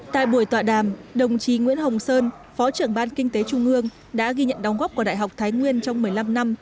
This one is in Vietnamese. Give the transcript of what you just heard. tại buổi tọa đàm đồng chí nguyễn hồng sơn phó trưởng ban kinh tế trung ương đã ghi nhận đóng góp của đại học thái nguyên trong một mươi năm năm